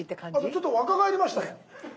ちょっと若返りましたね。